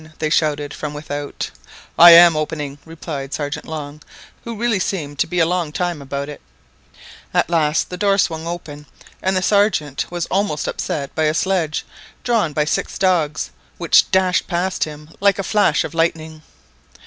they shouted from without. "I am opening," replied Sergeant Long, who really seemed to be a long time about it. At last the door swung open, and the Sergeant was almost upset by a sledge, drawn by six dogs, which dashed past him like a flash of lightning.